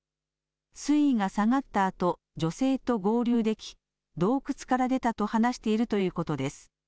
水位が下がったあと、女性と合流でき、洞窟から出たと話しているということです。